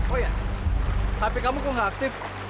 oh iya hp kamu kok nggak aktif